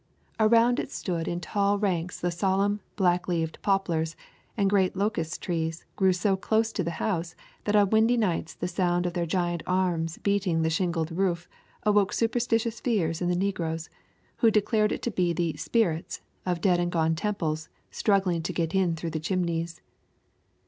Around it stood in tall ranks the solemn, black leaved poplars, and great locust trees grew so close to the house that on windy nights the sound of their giant arms beating the shingled roof awoke superstitious fears in the negroes, who declared it to be the "sperrits" of dead and gone Temples struggling to get in through the chimneys.